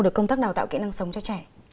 được công tác đào tạo kỹ năng sống cho trẻ